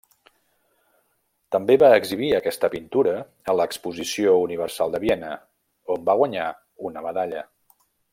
També va exhibir aquesta pintura a l'Exposició Universal de Viena, on va guanyar una medalla.